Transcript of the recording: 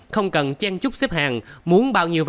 không cần chế tài